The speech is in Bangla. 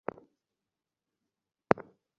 তিনি লাহোরের অ্যাংলো-বৈদিক কলেজে যোগদান করেন।